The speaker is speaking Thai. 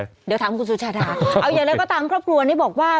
เดี๋ยวถามคุณสุชาดาเอาอย่างไรก็ตามครอบครัวนี้บอกว่า